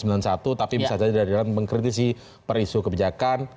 misalnya di daerah mengkritisi perisuh kebijakan